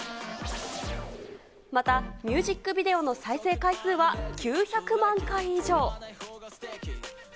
また、ミュージックビデオの再生回数は９００万回以上。